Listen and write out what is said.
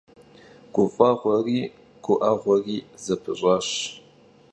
Guf'eğueri gu'eğueri zepış'aş.